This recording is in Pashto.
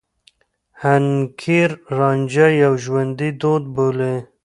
حنکير رانجه يو ژوندي دود بولي.